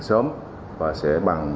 sớm và sẽ bằng